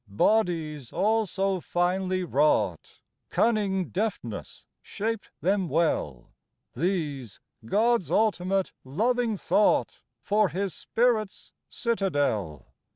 Bodies all so finely wrought Cunning deftness shaped them well ; These, God's ultimate, loving thought For His Spirit's citadel.